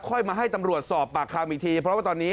มาให้ตำรวจสอบปากคำอีกทีเพราะว่าตอนนี้